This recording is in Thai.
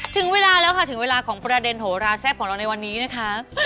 ถึงเวลาแล้วค่ะถึงเวลาของประเด็นโหราแซ่บของเราในวันนี้นะคะ